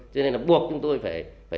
cho nên là buộc chúng tôi phải